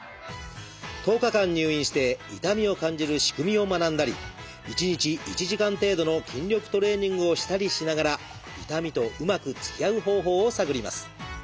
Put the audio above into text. １０日間入院して痛みを感じる仕組みを学んだり１日１時間程度の筋力トレーニングをしたりしながら痛みとうまくつきあう方法を探ります。